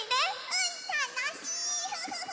うんたのしい！